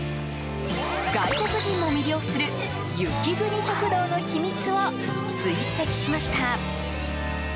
外国人も魅了する雪国食堂の秘密を追跡しました。